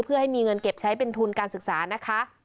เพื่อให้มีเงินเก็บใช้เป็นทุนการศึกษานะคะ